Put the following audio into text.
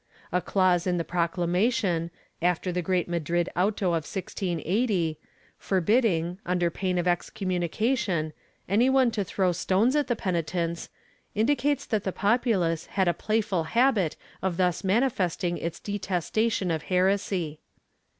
A clause in the proclamation, after the great Madrid" auto of 1680, forbidding, under pain of excommunication, any one to throw stones at the penitents, indicates that the populace had a playful habit of thus manifesting its detestation of heresy.